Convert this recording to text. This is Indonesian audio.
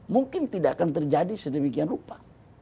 mungkin tidak akan terjadi sedemikian rupa